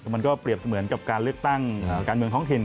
มันก็เปรียบเสมือนกับการเลือกตั้งการเมืองท้องถิ่น